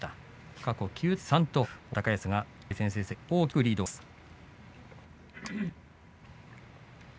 過去、９対３と高安が対戦成績大きくリードしています。